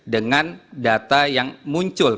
dengan data yang muncul